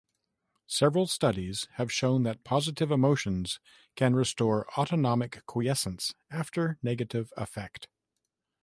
Several studies have shown that positive emotions can restore autonomic quiescence after negative affect.